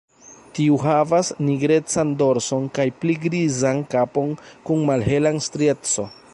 Tiu havas nigrecan dorson kaj pli grizan kapon kun malhela strieco.